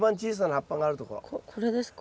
これですか？